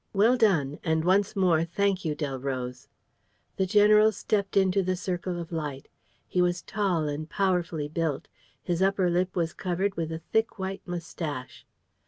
"Well done; and, once more, thank you, Delroze." The general stepped into the circle of light. He was tall and powerfully built. His upper lip was covered with a thick white mustache.